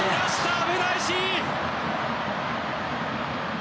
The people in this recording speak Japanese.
危ないシーン！